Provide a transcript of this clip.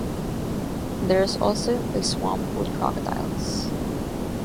There is also a swamp with crocodiles.